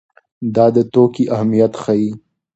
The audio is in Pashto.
دا د توکي اهميت ښيي.